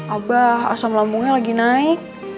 abah asam lambungnya lagi naik